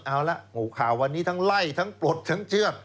เอาละข่าววันนี้ทั้งไล่ทั้งปลดทั้งเชือก